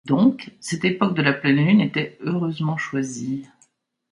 Donc, cette époque de la Pleine-Lune était heureusement choisie.